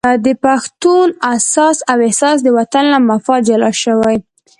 د پښتون اساس او احساس د وطن له مفاد جلا شوی.